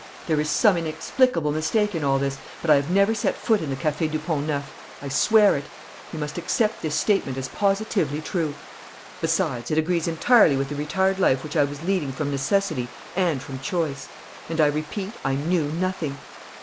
There is some inexplicable mistake in all this, but I have never set foot in the Café du Pont Neuf. I swear it. You must accept this statement as positively true. Besides, it agrees entirely with the retired life which I was leading from necessity and from choice. And, I repeat, I knew nothing.